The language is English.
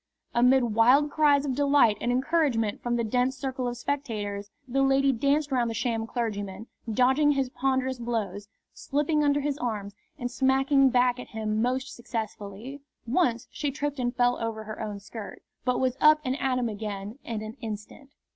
Amid wild cries of delight and encouragement from the dense circle of spectators, the lady danced round the sham clergyman, dodging his ponderous blows, slipping under his arms, and smacking back at him most successfully. Once she tripped and fell over her own skirt, but was up and at him again in an instant.